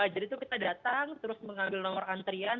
jadi itu kita datang terus mengambil nomor antrian